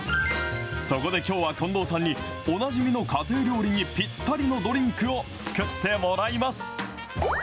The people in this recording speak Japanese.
そこできょうは近藤さんに、おなじみの家庭料理にぴったりのドリンクを作ってもらいます。